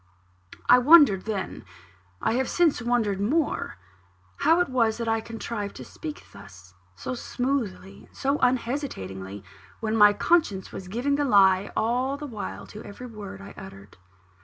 I wondered then I have since wondered more how it was that I contrived to speak thus, so smoothly and so unhesitatingly, when my conscience was giving the lie all the while to every word I uttered.